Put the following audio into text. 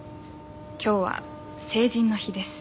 今日は成人の日です。